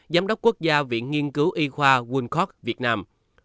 giám đốc quốc gia viện nghiên cứu y khoa wilcox việt nam